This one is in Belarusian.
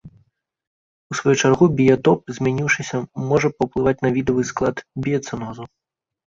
У сваю чаргу біятоп, змяніўшыся, можа паўплываць на відавы склад біяцэнозу.